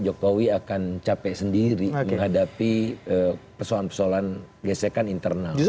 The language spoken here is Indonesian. jokowi akan capek sendiri menghadapi persoalan persoalan gesekkan internalnya justru